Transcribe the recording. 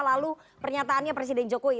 lalu pernyataannya presiden jokowi